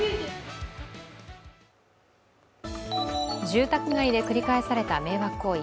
住宅街で繰り返された迷惑行為。